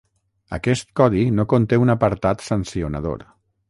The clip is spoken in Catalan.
Aquest codi no conté un apartat sancionador.